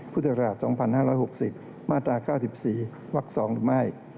พศ๒๕๖๐มาตรา๙๔ว๒ถูกมาย